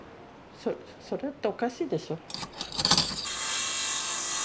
それっておかしいでしょ？